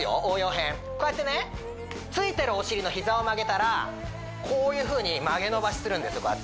応用編こうやってねついてるお尻の膝を曲げたらこういうふうに曲げ伸ばしするんですよ